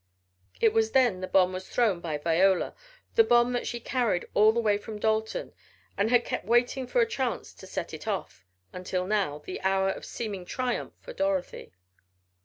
It was then the bomb was thrown by Viola, the bomb that she carried all the way from Dalton, and had kept waiting for a chance to set it off until now the hour of seeming triumph for Dorothy.